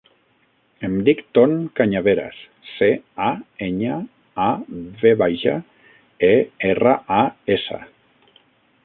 Em dic Ton Cañaveras: ce, a, enya, a, ve baixa, e, erra, a, essa.